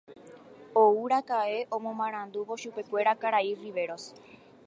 Ouraka'e omomarandúvo chupekuéra karai Riveros.